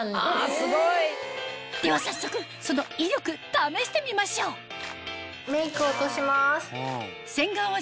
すごい！では早速その威力試してみましょうメイク落とします。